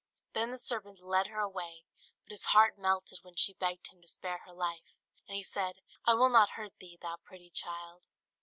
Then the servant led her away; but his heart melted when she begged him to spare her life, and he said, "I will not hurt thee, thou pretty child."